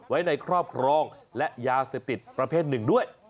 ไว้ในครอบครองและยาเสพติดประเภทหนึ่งด้วย